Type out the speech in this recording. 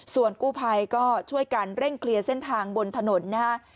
ส่วนกู้ภัยก็ช่วยกันเร่งเคลียร์เส้นทางบนถนนนะฮะ